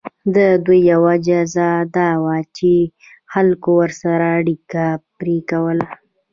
د دوی یوه جزا دا وه چې خلکو ورسره اړیکه پرې کوله.